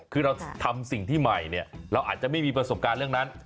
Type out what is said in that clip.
คือเราทำสิ่งที่ใหม่เนี่ยเราอาจจะไม่มีประสบการณ์เรื่องนั้น